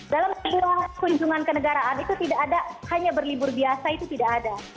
dalam sebuah kunjungan ke negaraan itu tidak ada hanya berlibur biasa itu tidak ada